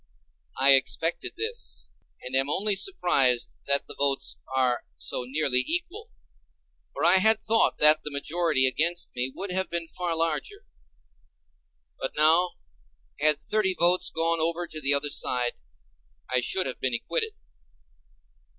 I expected this, and am only surprised that the votes are so nearly equal; for I had thought that the majority against me would have been far larger; but now, had thirty votes gone over to the other side, I should have been acquitted.